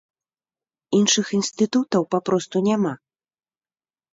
Іншых інстытутаў папросту няма.